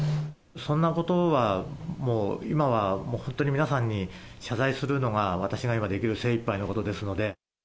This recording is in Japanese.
そんなことはもう、今はもう、本当に皆さんに謝罪するのが、私が今できる精いっぱいのことですので。